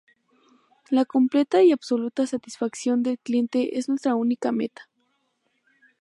La completa y absoluta satisfacción del cliente es nuestra única meta.